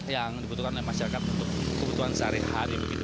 yang dibutuhkan oleh masyarakat untuk kebutuhan sehari hari